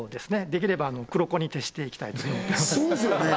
できれば黒子に徹していきたいと思っていますそうですよね